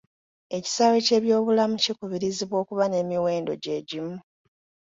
Ekisaawe ky'ebyobulamu kikubirizibwa okuba n'emiwendo gye gimu.